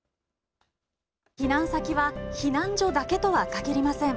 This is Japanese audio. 避難先は避難所だけとは限りません。